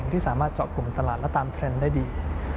ที่สามารถเจาะกลุ่มตลาดและตามเทรนด์ได้ดี